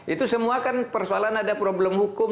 itu semua kan persoalan ada problem hukum